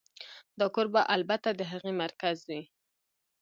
دا کور به البته د هغې مرکز وي